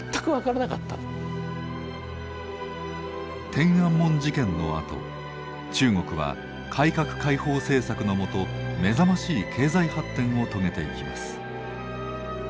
天安門事件のあと中国は改革開放政策の下目覚ましい経済発展を遂げていきます。